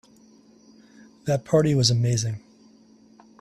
That party was amazing.